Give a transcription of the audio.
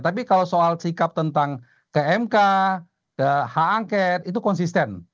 tapi kalau soal sikap tentang ke mk hak angket itu konsisten